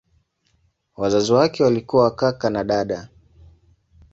Wazazi wake walikuwa kaka na dada.